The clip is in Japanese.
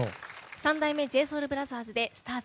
三代目ＪＳＯＵＬＢＲＯＴＨＥＲＳで「ＳＴＡＲＳ」。